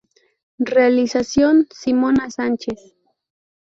Realización: Simona Sánchez.